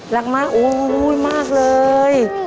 รักมากโอ้ยมากเลย